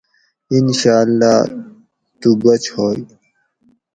انشاء اللّہ تُو بچ ہوئے